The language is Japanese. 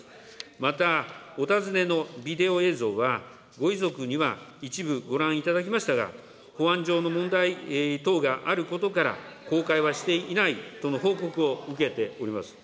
またお尋ねのビデオ映像は、ご遺族には一部ご覧いただきましたが、保安上の問題等があることから、公開はしていないとの報告を受けております。